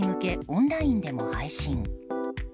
オンラインでも配信。